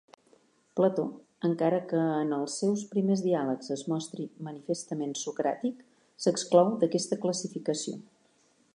Plató, encara que en els seus primers diàlegs es mostri manifestament socràtic, s'exclou d'aquesta classificació.